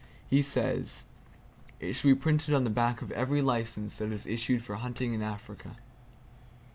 He says, "It should be printed on the back of every license that is issued for hunting in Africa."